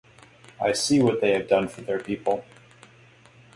I see what they have done for their people.